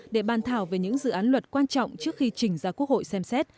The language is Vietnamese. để bàn thảo về những dự án luật quan trọng trước khi trình ra quốc hội xem xét